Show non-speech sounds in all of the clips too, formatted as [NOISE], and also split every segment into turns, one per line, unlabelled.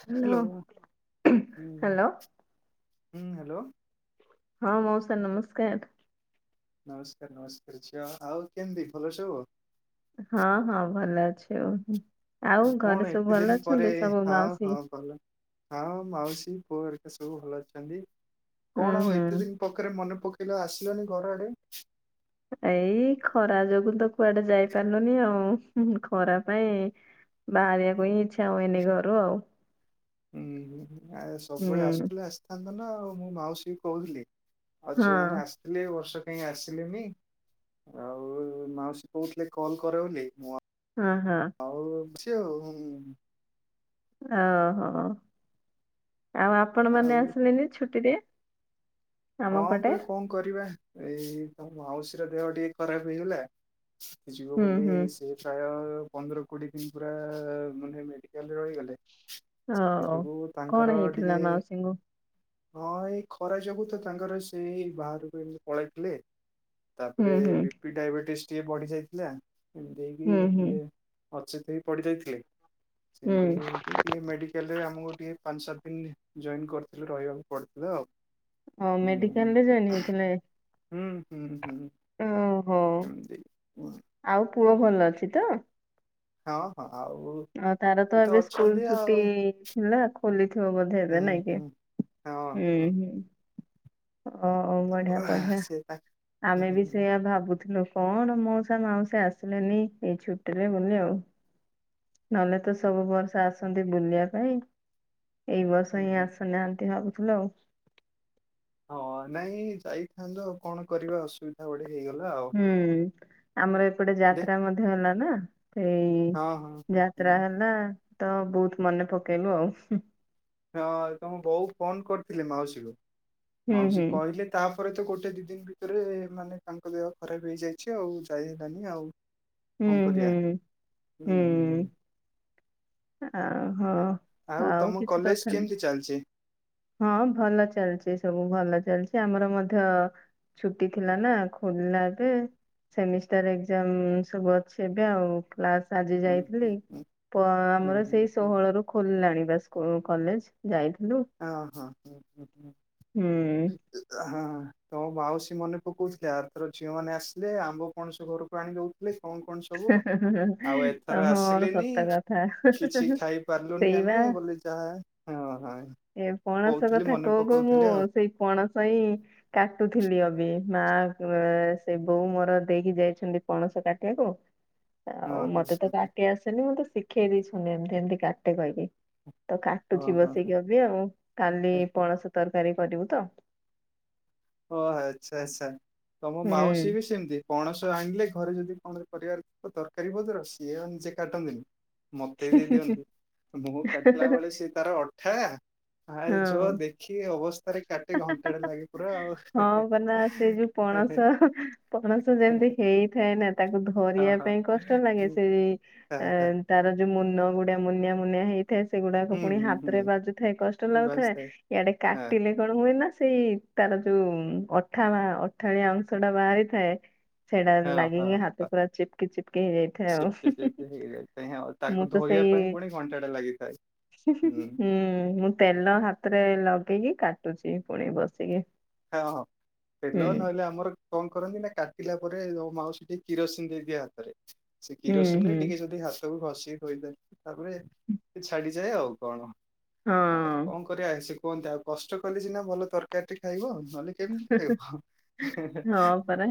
ହ ହ ହ୍ୟାଲୋ ହ
ହ୍ୟାଲୋ
ହଁ ହ୍ୟାଲୋ।
ହଁ ମାଉସା ନମସ୍କାର।
ନମସ୍କାର ନମସ୍କାର ଝିଅ ଆଉ କେମିତି ଭଲ ସବୁ?
ହଁ ହଁ ଭଲ ଅଛି ଆଉ
ଆଉ
ଘରେ
କଣ
ସବୁ
ଏତେ ଦିନ
ଭଲ
ପରେ
ଅଛନ୍ତି ସବୁ
ହଁ
ମାଉସୀ?
ହଁ ଭଲ ହଁ ମାଉସୀ ପୁହେରିକା ସବୁ ଭଲ ଅଛନ୍ତି?
ହୁଁ
କଣ ଆଉ
ହୁଁ
ଏତେ ଦିନ ପଖରେ ମନେ ପକେଇ ପିଲା ଆସିଲାନି ଘର ଆଡେ?
ଏଇ ଖରା ଯୋଗୁଁ ତ କୁଆଡେ ଯାଇପାରିଲୁନି ଆଉ ଖରା ପାଇଁ ବାହାରିବାକୁ ହିଁ ଇଚ୍ଛା ହୁଏନି ଘରୁ ଆଉ।
ଉୁଁ ଆ ସବୁବେଳେ
ହୁଁ
ଆସୁଥିଲେ ଆସିଥାନ୍ତ ନା ଆଉ। ମୁଁ ମାଉସୀ କହୁଥିଲି ଆଉ
ହଁ
ଝିଅମାନେ ଆସିଥିଲେ ବର୍ଷ କାଇଁ ଆସିଲେନି। ଆଉ ମାଉସୀ କହୁଥିଲେ କଲ୍ କର ବୋଲି ବୋଲି ମୁଁ ଆ
ହଁ ହଁ
ତି ଆଉ ହମମ
ଓହୋ ଆଉ
ଆଉ
ଆପଣମାନେ ଆସିଲେନି ଛୁଟିରେ?
ହଁ
ଆମ ପଟେ
ପା କଣ କରିବା ଏଇ ମାଉସୀର ଦେହ ଟିକେ ଖରାପ ହେଇଗଲା। ଯିବ
ହୁଁ
ବୋଲି
ହୁଁ
ସେ ପ୍ରାୟ ପନ୍ଦର କୋଡ଼ିଏ ଦିନ ପୁରା ମାନେ ମେଡିକାଲରେ ରହିଗଲେ
ହଉ
ସେଥିଯୋଗୁଁ
କଣ
ତାଙ୍କର
ହେଇଥିଲା
ଟିକେ
ମାଉସୀଙ୍କୁ?
ହଁ ଏଇ ଖରା ଯୋଗୁଁ ତ ତାଙ୍କର ସେ ବାହାରକୁ ଏମିତି ପଳେଇଥିଲେ।
ହୁଁ
ତାପରେ
ହୁଁ
ବି ପି ଡାଇବେଟିସ୍ ଟିକେ ବଢି ଯାଇଥିଲା। ଏମିତି ହେଇକି
ହୁଁ ହୁଁ
ଟିକେ ଅଚେତ୍ ହେଇ ପଡିଯାଇଥିଲେ। ସେମିତି
ହୁଁ
ହେଇକି ଟିକେ ମେଡିକାଲରେ ଆମକୁ ଟିକେ ପାଞ୍ଚ ସାତ ଈନ୍ କରିଥିଲେ ରହିବାକୁ ପଡିଥିଲା ଆଉ।
ହ ମେଡିକାଲରେ ଯଏନ ହେଇଥିଲେ?
ହୁଁ ହୁଁ ହୁଁ
ଓହୋ
ଏମତି
ଆଉ ପୁଅ ଭଲ ଅଛି ତ?
ହଁ ହଁ। ଆଉ
ଆ ତାର
ସେ
ତ ଏବେ ସ୍କୁଲ
ଅଛନ୍ତି
ଛୁଟି
ଆଉ
ଥିଲା ଖୋଲିଥିବ ବୋଧେ
ହଁ
ଏବେ ନାଇଁ କି?
ହଁ
ହୁଁ
ହଁ।
ହୁଁ। ଓ ବଢିଆ
ଆଃ,
ବଢିଆ
ସେ ହୁଁ
ଆମେ ବି ସେଇୟା ଭାବୁଥିଲୁ। କଣ ମଉସା ମାଉସି ଆସିଲେନି ଏଇ ଛୁଟି ରେ ବୋଲି ଆଉ। ନହେଲେ ତ ସବୁ ବର୍ଷା ଆସନ୍ତି ବୁଲିବା ପାଇଁ ଏଇ ବର୍ଷ ହିଁ
ହୁଁ
ଆସୁନାହାନ୍ତି ଭାବୁଥିଲୁ ଆଉ।
ହଁ ନାଇଁ ଯାଇଥାନ୍ତୁ ଆଉ କଣ କରିବା ଅସୁବିଧା ବଢେ।
ହୁଁ ଆମର ଏପଟେ
ଦେଖ
ଯାତ୍ରା ମଧ୍ୟ ହେଲା ନା ଏଇ
ହଁ ହଁ ହୁଁ
ଯାତ୍ରା
ହୁଁ।
ହେଲା ତ ବହୁତ ମନେ ପକେଇଲୁ ଆଉ ହୁଁ।
ହଁ ତମ ବୋଉ ଫୋନ କରିଥିଲି ମାଉସୀକୁ
ହୁଁ ହୁଁ
ମାଉସୀ କହିଲେ ତା ପରେ ତ ଗୋଟେ ଦି ଦିନ ଭିତରେ ମାନେ ତାଙ୍କ ଦେହ ଖରାପ ହେଇଯାଇଛି ଆଉ ଯାଇ ହେଲାନି ଆଉ।
ହୁଁ
କଣ କରିବା
ହୁଁ ହୁଁ। ଓହୋ। ଆଉ
ତମ
କିଛି
କଲେଜ
କଥା ନାହିଁ
କେମିତି ଚାଲିଛି?
ହଁ ଭଲ ଚାଲିଛି ସବୁ ଭଲ ଚାଲିଛି। ସେ ଆମର ମଧ୍ୟ ଛୁଟି ଥିଲା ନା ଖୋଲିଲା ଏବେ ସେମିଷ୍ଟାର ଏଗଜାମ୍ମ ସବୁ ଅଛି ଏବେ ଆଉ। କ୍ଲାସ ଆଜି
ହୁଁ
ଯାଇଥିଲି
ହୁଁ ହୁଁ
ପ
ହୁଁ
ଆମର
ହୁଁ
ସେଇ
ହୁଁ
ଷୋହଳ ରୁ ଖୋଲିଲାଣି ବା ସ୍କୁ ଉ କଲେଜ ଯାଇ
ହଁ ହଁ ହ ହଁ
ହୁଁ
ହଁ ହଁ ତ ବାଉସି କି ମନେ ପକଉଥିଲେ ଆର ଥର ଝିଅମାନେ ଆସିଲେ ଆମ୍ବ, ପଣସ ଘରକୁ ଆଣି ଦଉଥିଲେ। କଣ କଣ ସବୁ ଆଉ ଏଥର
ହଁ
ଆସିଲିନି
ସତ କଥା
କିଛି ଖାଇ ପାରିଲୁନି
ସେଇବା
ଆମେ ହେ ବଲି ଯାହା ହଁ ହ।
ଏ ପଣସ କଥା କହୁ କଉ ମୁଁ ସେଇ ପଣସ ହିଁ କାଟୁଥିଲି ଅବି ମା ଏଁ ସେ ବୋଉ ମୋର ଦେଇକି ଯାଇଚନ୍ତି ପଣସ କାଟିବାକୁ। ଆଉ
ହଁ
ମତେ ତ କାଟି ଆସେନି ମତେ ଶିଖେଇ ଦେଇଛନ୍ତି ଏମିତି ଏମିତି କାଟେ କହିକି। ତ
ହଁ
କାଟୁଚି
ହଁ ହଁ
ବସେଇକି ଅବି ଆଉ କାଲି
ହଁ
ପଣସ ତରକାରୀ କରିବୁ ତ।
ଓ ଆଚ୍ଛା ଆଚ୍ଛା ତମ ମାଉସୀ
ହୁଁ
ବି ସେମିତି ପଣସ ଆଣିଲେ ଘରେ ଯଦି କଣ ପରିବାର ତରକାରୀ ପତର ସିଏ ଆଉ ନିଜେ କାଟନ୍ତିନି। ମୋତେ ବି ଦିଅନ୍ତି ମୁଁ କାଟିଲା ବେଳେ ସେ ତାର ଅଠା। ଆଁ ଯୋ
ହଁ।
ଦେଖି ଅବସ୍ଥାରେ କାଟେ ଘଣ୍ଟାଟେ ଲାଗେ ପୁରା ଆଉ।
ହଁ ପନା ସେଇ ଯୋଉ ପଣସ ପଣସ ଯେମିତି ହେଇଥାଏ ନା ତାକୁ
ହଁ
ଧରିବା
ହଁ
ପାଇଁ- କଷ୍ଟ ଲାଗେ ସେ
ହଁ ହଁ
ଏଁ ତାର ଯୋଉ ମୁନ ଗୁଡ଼ା। ମୁନିଆ ମୁନିଆ ହେଇଥାଏ ସେଗୁଡାକ
ହୁଁ
ପୁଣି
ହୁଁ
ହାତରେ ବାଜୁଥାଏ କଷ୍ଟ
ହୁଁ
ଲାଗୁଥାଏ
ବାସ୍
ଇଆଡେ
ହଁ
କାଟିଲେ କଣ- ହୁଏନା ସେଇ ତାର ଯୋଉ ଅଠା ବା ଅଠାଳିଆ ଅଂଶ ଟା ବାହାରିଥାଏ। ସେଟା
ହଁ
ଲାଗିକି ହାତ
ହଁ
ପୁରା ଚିପକି ଚିପକି ହେଇଯାଇଥାଏ ଆଉ।
ସିପି
ହୁଁ ହୁଁ
ଚିପି ହେଇଯାଇଥାଏ ହଁ
ହୁଁ ମୁଁ
ତାକୁ
ତ ସେଇ-
ଧୋଇବା ପାଇଁ ପୁଣି ଘଣ୍ଟାଟେ ଲାଗିଥାଏ।
ହୁଁ ମୁଁ ତେଲ ହାତରେ ଲଗେଇକି କାଟୁଛି ପୁଣି ବସିକି।
ହଁ ହଁ ତେଲ
ହୁଁ
ନହେଲେ ଆମର କଣ କରନ୍ତି ନା କାଟିଲା ପରେ- ମାଉସି ଟିକେ କିରୋସିନ ଦେଇଦିଏ ହାତରେ। ସେ
ହୁଁ
କିରୋସିନ ରେ
ହୁଁ
ଟିକେ ଯଦି ହାତକୁ ଖସ- ତାପରେ ସେ ଛାଡିଯାଏ ଆଉ। କଣ ଆ ଏଇ
ହଁ।
କଣ କରିବା। କୁହନ୍ତି ଆଉ କଷ୍ଟ କଲି ସିନା ଭଲ ତରକାରୀ ଟେ ଖାଇବ ଆଉ ନହେଲେ- କେମିତି ଖାଇିବ ହେଁ ହେଁ
ହଁ ପରା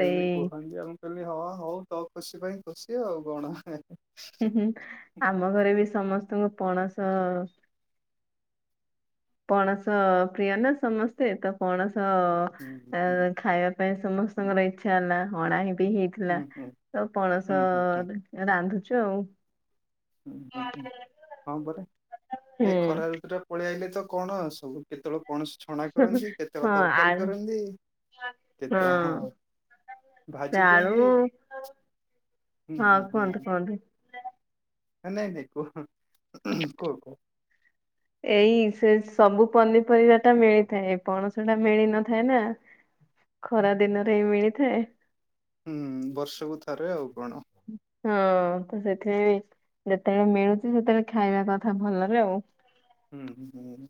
ଏମିତି କୁହନ୍ତି ଆଉ। କହିଲ ହଁ ହଉ ତୋ ଖୁସି ପାଇଁ ଖୁସି ଆଉ କଣ।
ହୁଁ ହୁଁ ଆମ ଘରେ ବି ସମସ୍ତଙ୍କୁ ପଣସ- ପଣସ ପ୍ରିୟ ନା ସମସ୍ତେ ତ ପଣସ-
ହୁଁ
ତ
ହୁଁ
ଅଁ ଖାଇବା ପାଇଁ ସମସ୍ତଙ୍କର ଇଚ୍ଛା ନା ଅଣା ହେଇ- ବି ହେଇଥିଲା
ହୁଁ ହୁଁ
ତ
ହୁଁ
ପଣସ
ହୁଁ।
ରାନ୍ଧୁଛୁ ଆଉ।
ହୁଁ ହଁ ପରା
ହୁଁ
ଏଇ ଖରା ଋତୁ ଟା ପଳେଇ ଆଇଲେ। ତ କଣ ସବୁ କେତେବେଳକୁ? କୌଣସି ଛଣା କରନ୍ତି କେତେବେଳେ
ହଁ ଆ
ତରକାରୀ କରନ୍ତି କେତେ ହଁ।
ସେ
ଭାଜି ଦିଅନ୍ତି।
ଆଳୁ
ହୁଁ
ହଁ
ହୁଁ
କୁହନ୍ତୁ
ହୁଁ
କୁହନ୍ତୁ।
ନାଇଁ ନାଇଁ କୁହ କୁହ କୁହ?
ଏଇ ସେ ସବୁ ପନିପରିବା ଟା ମିଳିଥାଏ ପଣସ ଟା ମିଳି ନଥାଏ ନା ଖରା ଦିନରେ ମିଳିଥାଏ।
ହୁଁ ବର୍ଷକୁ ଥରେ ଆଉ କଣ
ହୁଁ [INAUDIBLE] ହଁ ତ ସେଥିରେ ଯେତେବେଳେ ମିଳୁଛି ସେତେବେଳେ ଖାଇବା କଥା ଭଲରେ ଆ
ହୁଁ ହୁଁ ହୁଁ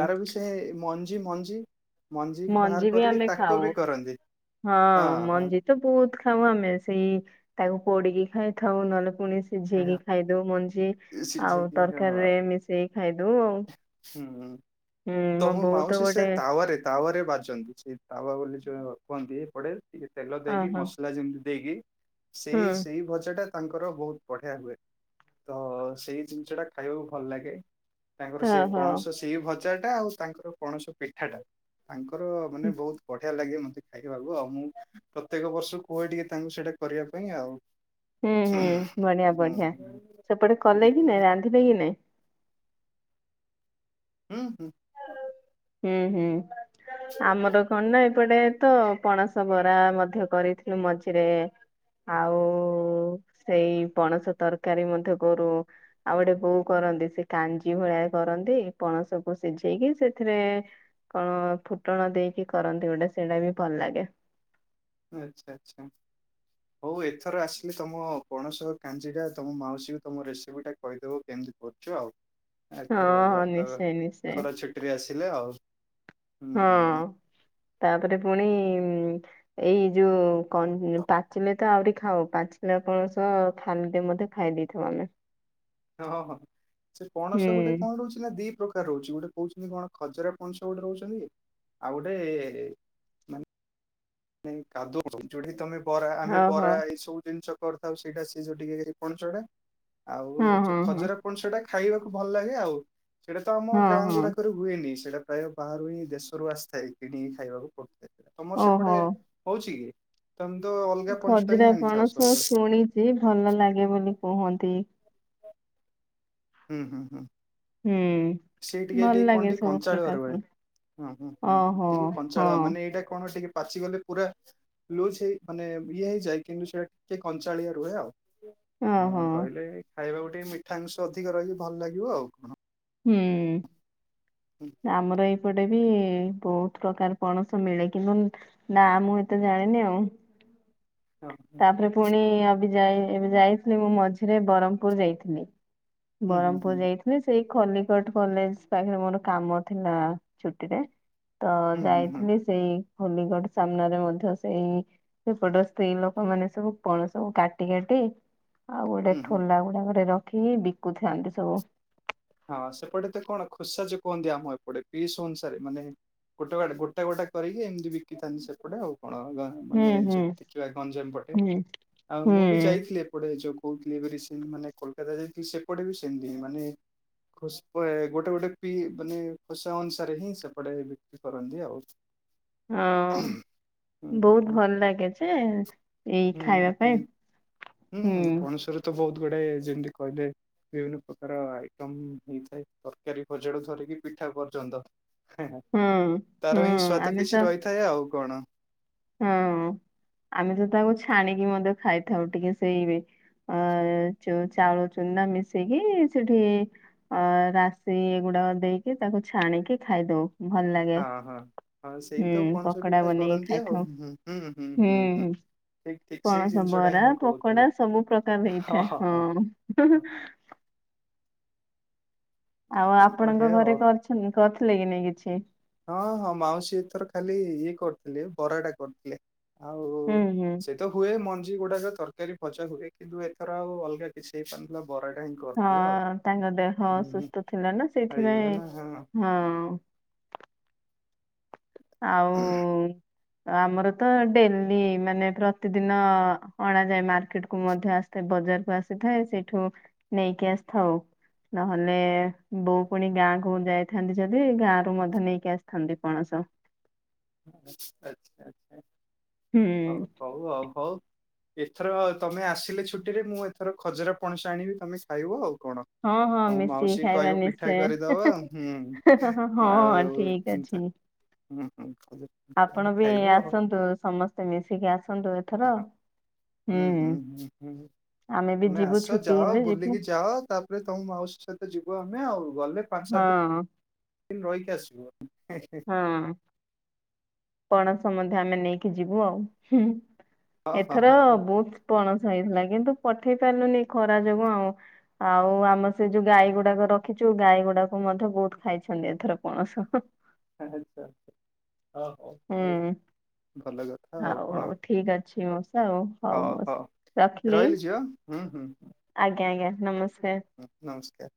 ତାର ବିଷୟ ମଞ୍ଜି ମଞ୍ଜି ମଞ୍ଜି ବାହାର
ବି
କରିକି
ଆମେ
ତାକୁ
ଖାଉ
ବି କରନ୍ତି।
ହଁ ମଞ୍ଜି ତ ବହୁତ ଖାଉ ଆମେ, ସେଇ ତାକୁ ପୋଡିକି ଖାଇଥାଉ ନହେଲେ ପୁଣି ସିଝେଇକି ଖାଇଦେଉ ମଞ୍ଜି ଆଉ
ସିଝେଇକି ହଁ
ତରକାରୀ ରେ ମିଶେଇକି ଖାଇଦେଉ ଆଉ
ହୁଁ
ହୁଁ
ତ
ମୋ
ମୁଁ
ବୋଉ
ମାଉସୀ ସେ
ଗୋଟେ
ତାୱାରେ ତାୱା ରେ ବାଜନ୍ତି, ସେ ତାୱା ବୋଲି କୁହନ୍ତି ଏପଟେ ଟିକେ ତେଲ ଦେଇକି
ଓହୋ
ମସଲା ଯେମିତି ଦେଇକି
ହୁଁ
ସେଇ ସେଇ ଭଜାଟା ତାଙ୍କର ବହୁତ ବଢିଆ ହୁଏ ତ ସେଇ ଜିନିଷ ଟା ଖାଇବାକୁ ଭଲ ଲାଗେ। ତାଙ୍କର ସେଇ
ଓହୋ
ପଣସ ସେଇ ଭଜା ଟା, ଆଉ ତାଙ୍କର ପଣସ ପିଠାଟା, ତାଙ୍କ ତାଙ୍କର ମାନେ ବହୁତ ବଢିଆ ଲାଗେ ମତେ ଖାଇବାକୁ ଆଉ, ମୁଁ ପ୍ରତ୍ୟେକ ବର୍ଷ କୁହେ ଟିକେ ତାଙ୍କୁ ସେଇଟା କରିବା ପାଇଁ ଆଉ
ହୁଁ ହୁଁ ବଢିଆ
ହୁଁ
ବଢିଆ, ସେପଟେ କଲେ କି
ହୁଁ
ନାଇଁ, ରାନ୍ଧିବେ କି ନାଇଁ,
ହୁଁ ହୁଁ
ହୁଁ, ହୁଁ, ଆମର କଣ ନା ଏପଟେ ତ ପଣସ ସ [UNINTELLIGIBLE] ବରା ମଧ୍ୟ କରିଥିଲୁ ମଝିରେ ଆଉ ସେଇ ପଣସ ତରକାରୀ ମଧ୍ୟ କରୁ, ଆଉ ଗୋଟେ ବୋଉ କର କରନ୍ତି ସେ କାଞ୍ଜି ଭଳିଆ କରନ୍ତି ପଣସକୁୁ ସିଝେଇକି ସେ ଏଥିରେ କଣ -ଫୁଟଣ ଦେଇକି କରନ୍ତି ଗୋଟେ, ସେଇଟା ବି ଭଲ ଲାଗେ।
ଆଚ୍ଛା ଆଚ୍ଛା ହଉ ଏଥର ଆସିଲି ତମ ପଣସ କାଞ୍ଜି ଟା ତମ ମାଉସୀକୁ ତମ ରେସିପି ଟା କହିଦେବ କେମିତି କରୁଛ
ହଁ
ଆଉଥର
ହଁ
ଭଲ ତ
ନିଶ୍ଚୟ ନିଶ୍ଚୟ
ଖରା ଛୁଟିରେ ଆସିଲେ ଆଉ ହୁଁ ହୁଁ
ହଁ ତାପରେ ପୁଣି ଏଇ ଯୋଉ ପାଚିଲେ ତ ଆହୁରି ଖାାଉ ପାଚିଲା ଆପଣ [UNINTELLIGIBLE] ଖାଲି ମଧ୍ୟ ଖାଇ ଦେଇଥାଉ ଆମେ
ହଁ ହଁ ସେ ପଣସ ଗୋଟେ
ହୁଁ
କଣ ରହୁଛି ନା ଦି ପ୍ରକାର ରହୁଛି ଗୋଟେ କହୁଛନ୍ତି କଣ ଖଜରା ପଣସ ଗୋଟେ ରହୁଛନ୍ତି ଆଉ ଗୋଟେ ମାନେ କାଦୁ [UNINTELLIGIBLE] ଯୋଠି ତମେ ବରା ଆମେ
ହଉ
ବରା
ହଉ
ଏଇ ସବୁ ଜିନିଷ କରିଥାଉ ସେଇଟା ସେଏ ଯୋଉ ଟିକେ ପଣସଟା
ହଁ
ଆଉ
ହଁ ହଁ
ଖଜରା ପଣସଟା ଖାଇବାକୁ ଭଲ ଲାଗେ ଆଉ, ସେଇଟା ତ ଆମ
ହଁ
ଗାଁ
ହଁ
ଗୁଡାକରେ ହୁଏନି, ସେଇଟା ପ୍ରାୟ ବାହାରୁ ହିଁ ଦେଶରୁ ଆସିଥାଏ କିଣିକି ଖାଇବାକୁ ପଡୁଥାଏ, ତମର
ଓହୋ।
ସେପଟେ ହଉଛି କି? ତମେ ତ ଅଲଗା ପଣସଟା ହିଁ
ଖଜୁରା
ଆଣିଥାଅ
ପଣସ
ସବୁବେଳେ
ଶୁଣିଛି ଭଲ ଲାଗେ ବୋଲି କୁହନ୍ତି।
ହୁଁ ହୁଁ ହୁଁ
ହୁଁ।
ସେଠିକେ
ଭଲ
କଣ
ଲାଗେ
ଟିକେ
ସବୁ
କଞ୍ଚାଳିଆ
ପ୍ରକାର
ରହେ।
ଫଳ
ହୁ ହୁଁ ହୁଁ
ଓହୋ
ଟିକେ
ହଁ
କଞ୍ଚାଳ ମାନେ ଏଇଟା କଣ ଟିକେ ପାଚିଗଲେ ପୁରା, ଲୁଜ ହେଇ ମାନେ ଇଏ ହେଇଯାଏ, କିନ୍ତୁ ସେଟା ଟିକେ କଞ୍ଚାଳିଆ ରୁହେ ଆଉ ହଁ
ଓହୋ।
ରହିଲେ, ଖାଇବାକୁ ଟିକେ ମିଠା ଅଂଶ ଅଧିକ ରହିଲେ ଭଲ ଲାଗିବ ଆଉ, କଣ?
ହୁଁ
ହୁଁ
ଆମର ଏଇପଟେ ବି ବହୁତ ପ୍ରକାର ପଣସ ମିଳେ କିନ୍ତୁ ନା ମୁଁ ଏତେ ଜାଣିନି ଆଉ [INAUDIBLE]
ହଁ ହୁଁ
ତାପରେ ପୁଣି ଅବି ଯାଇ ଏବେ ଯାଇଥିଲି ମୁଁ ମଝିରେ ବରମପୁର ଯାଇଥିଲି।
ହୁଁ
ବରମପୁର
ହୁଁ
ଯାଇଥିଲି ସେଇ ଖଲିକଟ କଲେଜ ପାଖରେ ମୋର କାମ ଥିଲା ଛୁଟି ରେ। ତ
ହୁଁ ହୁଁ ହୁଁ
ଯାଇଥିଲି ସେଇ ହୋଲିଗଡ ସାମ୍ନାରେ ମଧ୍ୟ ସେଇ ସେପଟ ସ୍ତ୍ରୀ ଲୋକ ମାନେ ସବୁ କଣ ସବୁ କାଟି କାଟି ଆଉ ଗୋଟେ
ହୁଁ ହୁଁ।
ଠୋଲା ଗୁଡାକରେ ରଖ ଖିକି ବିକୁଥାନ୍ତି ସବୁ।
ହଁ ସେପଟେ ତ କଣ ଖୋସଜ କୁହନ୍ତି। ଆମ ଏପଟେ ପିସ୍ ଅନୁସାରେ ମାନେ ଗୋଟେ ଗୋଟା ଗୋଟା କରିକି ଏମିତି ବିକିଥାନ୍ତି ସେପଟେ ଆଉ। କଣ
ହୁଁ
ମାନେ
ହୁଁ
ଯ ଦେଖିବା ଗଞ୍ଜାମ ପଟେ
ହୁଁ
ଆଉ ମୁଁ ବି
ହୁଁ
ଯାଇଥିଲି ଏପଟେ ଯୋଉ କୋହୁଥିଲି ଏବେ ରିସେଣ୍ଟ ମାନେ କୋଲକାତା ଯାଇଥିଲି ସେପଟେ ବି ସେମିତି ହିଁ ମାନେ ଖ ଗୋଟେ ଗୋଟେ ବି ମାନେ ଖୋସା ଅନୁସାରେ ହିଁ ସେପଟେ ବିକ୍ରି କରନ୍ତି ଆଉ।
ହଁ
ହୁଁ
ବୋହୁତ
ହୁଁ
ଭଲ ଲାଗେ ଯେ ଏଇ
ହୁଁ
ଖାଇବା ପାଇଁ
ହୁଁ ହୁଁ ପଣସରେ ତ ବୋହୁତ ଗୁଡେ ଯେମିତି କହିଲେ ବିଭିନ୍ନ ପ୍ରକାର ଆଇଟମ ହେଇଥାଏ। ତରକାରୀ ଭଜାଠୁ ଧରିକି ପି ପିଠା ପର୍ଯ୍ୟନ୍ତ
ହୁଁ ହୁଁ
ତାର ହିଁ ସ୍ଵାଦ
ଆମେ ତ
କିଛି ରହିଥାଏ ଆଉ କଣ।
ହଁ ଆମେ ତ ତାକୁ ଛାଣିକି ମଧ୍ୟ ଖାଇଥାଉ ଟିକେ ସେଇ ଅ ଯୋଉ ଚାଉଳ ଚୁନା ମିଶେଇକି ସେଠି ଅ ରାଶି ଏଗୁ ତ ଦେଇକି ତାକୁ ଛାଣିକି ଖାଇଦୋଉ। ଭଲ ଲାଗେ।
ହଁ ହଁ। ହଁ ସେଇ
ହୁଁ
ତ ପଣସ
ପକୋଡା
ପିଠା
ବନେଇକି
କରନ୍ତି
ଖାଇ
ଆଉ ହୁଁ ହୁଁ।
ହୁଁ।
ଠିକ ଠିକ ସେଇ
ପଣସ
ଜିନିଷଟା ହିଁ
ବରା
ମୁଁ କହୁଥିଲି
ପକୋଡା ସବୁ ପ୍ରକାର ହେଇଥାଏ ହଁ।
ହଁ।
ଆଉ ଆପଣଙ୍କ
ବଢିଆ ଆଉ
ଘରେ କରିଛନ୍ତି, କରିଥିଲେ କି ନାଇ କିଛି?
ହଁ ହଁ ମାଉସୀ ଏଥର ଖାଲି ଇଏ କରିଥିଲେ ବରାଟା କରିଥିଲେ। ଆଉ
ହୁଁ ହୁଁ
ସେ ତ ହୁଏ ମନ୍ ଜି ଗୁଡାକ ତରକାରୀ ଭଜା ହୁଏ। କିନ୍ତୁ ଏଥର ଆଉ ଅଲଗା କିଛି ହେଇପା [UNINTELLIGIBLE]
ହଁ ତାଙ୍କ ଦେହ
ହୁଁ
ଅସୁସ୍ଥ ଥିଲା ନା।
ହେଇଗଲା
ସେଇଥିପାଇଁ
ନା ହଁ
ହଁ। ଆଉ ଆମର ତ ଡେଲି ମାନେ ପ୍ରତିଦିନ ଅଣାଯାଏ। ମାର୍କେଟ୍ କୁ ମଧ୍ୟ ଆସ ସେ ବଜାରକୁ ଆସିଥାଏ। ସେଇଠୁ ନେଇକି ଆସିଥାଉ। ନହେଲେ ବୋଉ ପୁଣି ଗାଁକୁ ଯାଇଥାନ୍ତି ଯଦି ଗାଁରୁ ମଧ୍ୟ ନେଇକି ଆସିଥାନ୍ତି ପଣସ।
ଆଚ୍ଛା ଆଚ୍ଛା।
ହୁଁ
ହଉ ହଉ ଆଉ ହଉ ଏଥର ତୋମେ ଆସିଲେ ଛୁଟିରେ ମୁଁ ଏଥର ଖଜରା ପଣସ ଆଣିବି ତୋମେ ଖାଇବ ଆଉ। କଣ।
ହଁ ହଁ
ତମ ମାଉସୀ
ମିଶିକି
କି
ଖାଇବା
କହିବ ପିଠା
ନିଶ୍ଚୟ।
କରିଦବ ହୁଁ ଆଉ
ହଁ ଠିକ ଅ
ତା-
ଛି।
ହୁଁ, ହୁଁ, [INAUDIBLE]
ଆପଣ ବି
ଖାଇବ ଆଉ
ଆସନ୍ତୁ। ସମସ୍ତେ ମିଶିକି ଆସନ୍ତୁ ଏଥର।
ହଁ ହୁଁ, ହୁଁ, ହୁଁ, ହୁଁ।
ଆମେ ବି
ତୋମେ
ଯିବୁ
ଆସ
ଛୁଟି
ଯାଅ
ହେଲେ ଯିବୁ
ବୁଲିକି ଯାଅ। ତାପରେ ତୋମ ମାଉସୀ ସହିତ ଯିବୁ ଆମ ମେ ଆଉ ଗଲେ ପାଞ୍ଚ
ହଁ
ସାତ ଦିନ ରହିକି ଆସିବୁ। ହେ, ହେ,
ହଁ ପଣସ ମଧ୍ୟ ଆମେ ନେଇକି ଯିବୁ ଆଉ। ହୁଁ,
ହଁ ହଁ
ଏଥର
ହଁ ହଁ,
ବହୁତ ପଣସ ହେଇଥିଲା। କିନ୍ତୁ ପଠେଇ ପାରିଲୁନି ଏ ଖରା ଯୋଗୁଁ ଆଉଁ। ଆଉ ଆମେ ସେ ଯୋଉ ଗାଈ ଗୁଡାକ ରଖିଚୁ। ଗାଈ ଗୁ ଡାକ ମଧ୍ୟ ବହୁତ ଖାଇଛନ୍ତି ଏଥର ପଣସ।
ଆଚ୍ଛା ହୋ ହଉ
ହୁଁ
ହଉ ଭଲ କଥା ଆଉ
ହଉ
କଣ।
ହଉ ଠିକ ଅଛି ମଉସା ଆଉ
ହୋ
ହଉ
ହୋ
ମଉସା। ରଖିଲି
ରହିଲି ଝିଅ। ହୁଁ ହୁଁ।
ଆଜ୍ଞା ଆଜ୍ଞା ନମସ୍କାର।
ନମସ୍କାର।